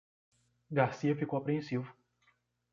Garcia ficou apreensivo.